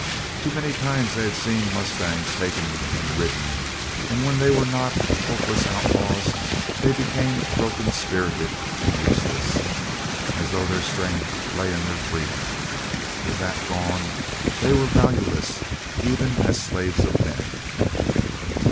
Too many times they had seen mustangs taken and ridden and when they were not hopeless outlaws they became broken spirited and useless, as though their strength lay in their freedom. With that gone they were valueless even as slaves of men.